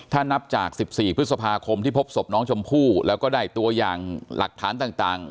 ถ้านับจาก๑๔พฤษภาคมที่พบศพน้องชมพู่แล้วก็ได้ตัวอย่างหลักฐานต่าง